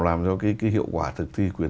làm cho cái hiệu quả thực thi quyền